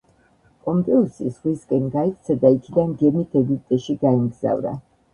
პომპეუსი ზღვისკენ გაიქცა და იქიდან გემით ეგვიპტეში გაემგზავრა.